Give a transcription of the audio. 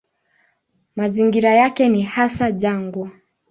Mazingira yake ni hasa jangwa.